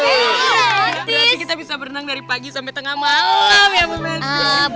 berarti kita bisa berenang dari pagi sampai tengah malam ya